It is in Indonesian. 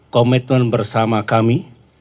komitmen bersama kami